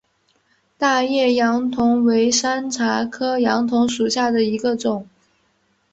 大叶杨桐为山茶科杨桐属下的一个种。